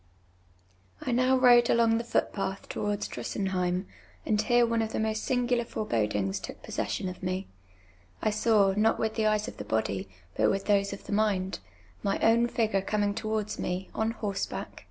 I now rode alon;:: the foot])at]i towards Drusen heim, and here one of the most sinii^ular forebodiui^s took pos session of mc. I saw, not with tlie eyes of the bodv, but with those of the mind, my own fij^ure eomin«; towards me, on hoi seback.